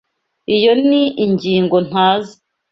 Iyo ni ingingo ntazi.